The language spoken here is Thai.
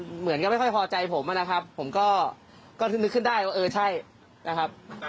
เหมือนก็ไม่ค่อยพอใจผมนะครับผมก็นึกขึ้นได้ว่าเออใช่นะครับ